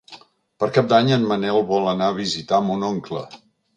Per Cap d'Any en Manel vol anar a visitar mon oncle.